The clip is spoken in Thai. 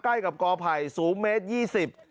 ใกล้กับกอไถสูงเมตร๒๐